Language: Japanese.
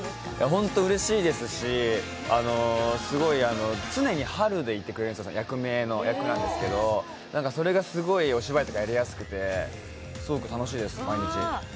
ほんとうれしいですし、常にハルでいてくれるんですよ、役名なんですけど、それがすごいお芝居とかやりやすくてすごく楽しいです、毎日。